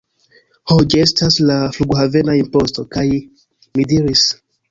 Ho, ĝi estas la... flughavena imposto. kaj mi diris: